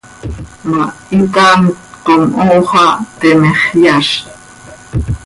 ma, hitaamt com hoo xah teme x, yazt.